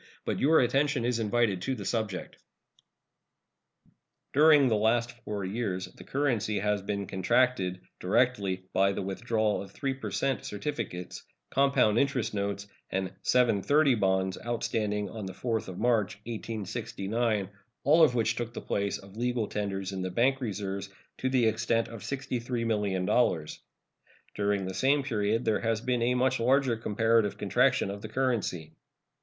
But your attention is invited to the subject. During the last four years the currency has been contracted, directly, by the withdrawal of 3 per cent certificates, compound interest notes, and "seven thirty" bonds outstanding on the 4th of March, 1869, all of which took the place of legal tenders in the bank reserves to the extent of $63,000,000. During the same period there has been a much larger comparative contraction of the currency.